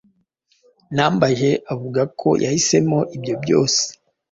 Nambaje avuga ko yahisemo ibyo byose